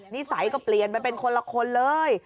นิสัยก็เปลี่ยนไปเป็นคนละคนเลย